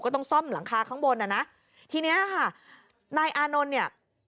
ต้องซ่อมหลังคาข้างบนอ่ะนะทีเนี้ยค่ะนายอานนท์เนี่ย